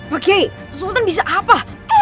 pak kiai sultan bisa apa